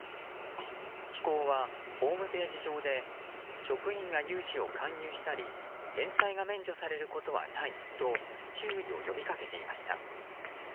機構はホームページ上で職員が融資を勧誘したり返済が免除されることはないと注意を呼びかけていました。